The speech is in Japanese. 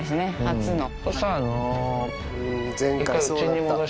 初の。